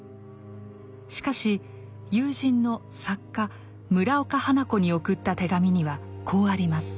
しかし友人の作家村岡花子に送った手紙にはこうあります。